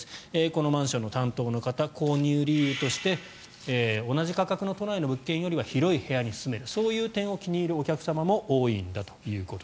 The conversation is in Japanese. このマンションの担当の方購入理由として同じ価格の都内の物件よりは広い部屋に住めるそういう点を気に入るお客様も多いんだと。